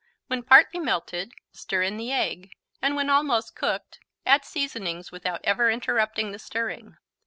When partly melted stir in the egg and, when almost cooked, add seasonings without ever interrupting the stirring.